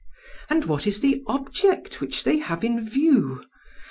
and what is the object which they have in view?